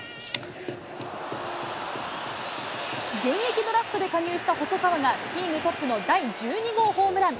現役ドラフトで加入した細川が、チームトップの第１２号ホームラン。